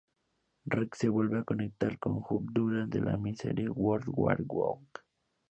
Rick se vuelve a conectar con Hulk durante la miniserie "World War Hulk".